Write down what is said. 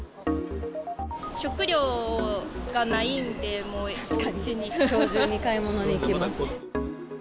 食料がないんで、もう、きょう中に買い物に行きます。